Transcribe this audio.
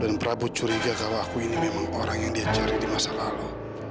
dan prapun curiga kalau aku ini memang orang yang dia cari di masa lalu